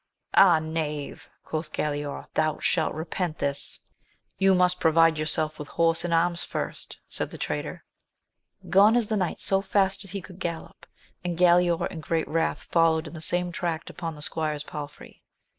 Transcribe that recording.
Ah.^ knave, quoth Galaor, thou shalt xe^eviX* \X>l\^\ Xwi^ 132 AMADIS OF GAUL. must provide yourself with horse and arms first, said the traitor. Gone is the knight so fast as he could gallop, and Galaor in great wrath followed in the same tract upon the squire's palfrey.